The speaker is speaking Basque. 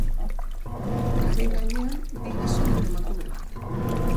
Haren gainean, bi gizon eta emakume bat.